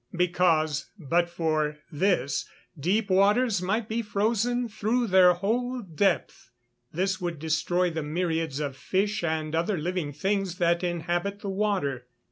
_ Because, but for this, deep waters might be frozen through their whole depth. This would destroy the myriads of fish and other living things that inhabit the water.